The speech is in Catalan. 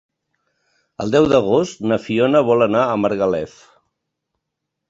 El deu d'agost na Fiona vol anar a Margalef.